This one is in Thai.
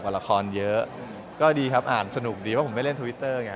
พร้อมสมัครอย่างเนี้ยแบดคนนี้คนเลยมองว่าเหมือนกับเรา